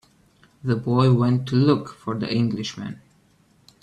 The boy went to look for the Englishman.